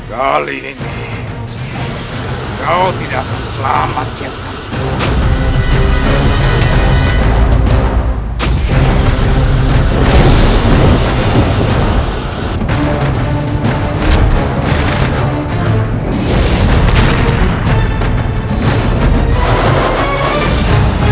kali ini kau tidak akan selamat ya allah